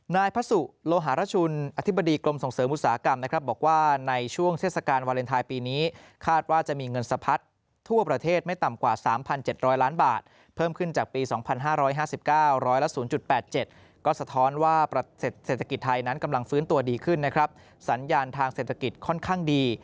นายพระสุโลหารชุนอธิบดีกรมส่งเสริมอุตสาหกรรมนะครับบอกว่าในช่วงเทศกาลวาเลนไทยปีนี้คาดว่าจะมีเงินสะพัดทั่วประเทศไม่ต่ำกว่า๓๗๐๐ล้านบาทเพิ่มขึ้นจากปี๒๕๕๙๑๐๘๗ก็สะท้อนว่าเศรษฐกิจไทยนั้นกำลังฟื้นตัวดีขึ้นนะครับสัญญาณทางเศรษฐกิจค่อนข้างดี